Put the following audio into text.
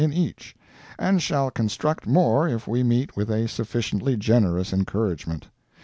in each), and shall construct more if we meet with a sufficiently generous encouragement.